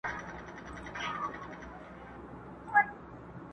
د نسترن څڼو کي!